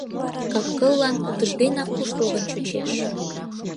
Кап-кыллан утыжденак куштылгын чучеш.